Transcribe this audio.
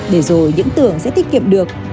để rồi những tưởng sẽ tiết kiệm được